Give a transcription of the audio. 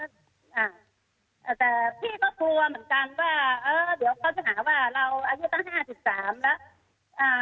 แต่พี่ก็กลัวเหมือนกันว่าเดี๋ยวจะหาว่าเราอายุตั้ง๕๓แล้ว